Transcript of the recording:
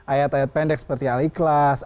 ayat ayat pendek seperti al ikhlas